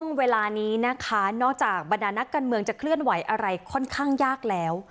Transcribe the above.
ช่วงเวลานี้นะคะนอกจากบรรดานักการเมืองจะเคลื่อนไหวอะไรค่อนข้างยากแล้ว